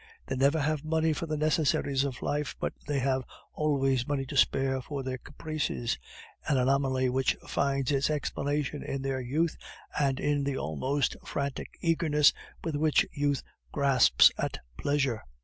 They never have money for the necessaries of life, but they have always money to spare for their caprices an anomaly which finds its explanation in their youth and in the almost frantic eagerness with which youth grasps at pleasure.